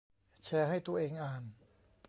แชร์ให้ตัวเองอ่าน